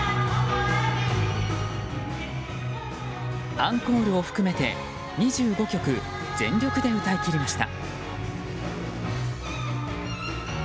アンコールを含めて２５曲全力で歌い切りました。